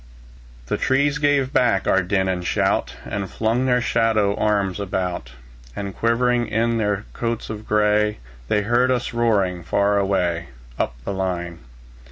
The trees gave back our din and shout, And flung their shadow arms about; And shivering in their coats of gray, They heard us roaring far away, Up the line.